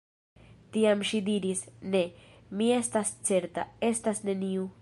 Tiam ŝi diris: Ne — mi estas certa — estas neniu.